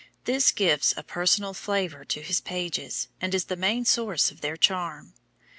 This gives a personal flavour to his pages, and is the main source of their charm.